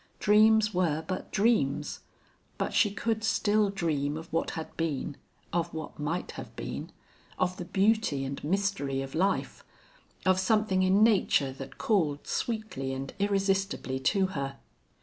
Dreams were but dreams. But she could still dream of what had been, of what might have been, of the beauty and mystery of life, of something in nature that called sweetly and irresistibly to her.